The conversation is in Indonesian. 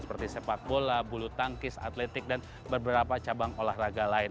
seperti sepak bola bulu tangkis atletik dan beberapa cabang olahraga lain